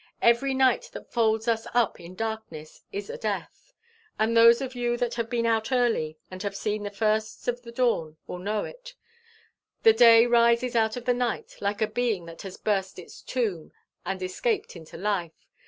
Every night that folds us up in darkness is a death; and those of you that have been out early and have seen the first of the dawn, will know it the day rises out of the night like a being that has burst its tomb and escaped into life.